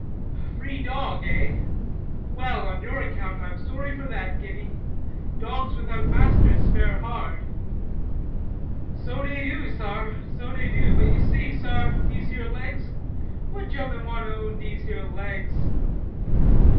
"A free dog, eh? Well, on your account, I'm sorry for that, Guinea. Dogs without masters fare hard." "So dey do, sar; so dey do. But you see, sar, dese here legs? What ge'mman want to own dese here legs?"